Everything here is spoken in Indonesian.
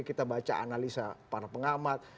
kita baca analisa para pengamat